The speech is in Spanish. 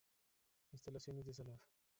Instalaciones de salud